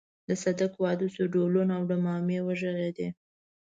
د صدک واده شو ډهلونه او ډمامې وغږېدې.